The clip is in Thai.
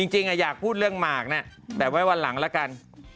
อยากพูดเรื่องหมากนะแต่ไว้วันหลังละกัน